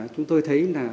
chúng tôi thấy là